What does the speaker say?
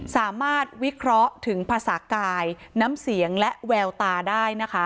สามารถวิเคราะห์ถึงภาษากายน้ำเสียงและแววตาได้นะคะ